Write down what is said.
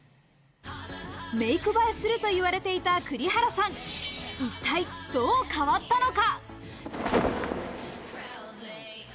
メイク映えすると言われていた栗原さん、一体どう変わったのか？